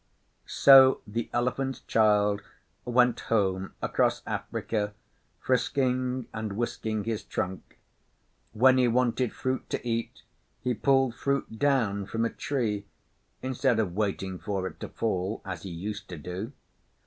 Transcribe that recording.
So the Elephant's Child went home across Africa frisking and whisking his trunk. When he wanted fruit to eat he pulled fruit down from a tree, instead of waiting for it to fall as he used to do.